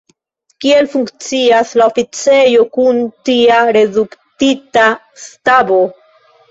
Kiel funkcias la oficejo kun tia reduktita stabo?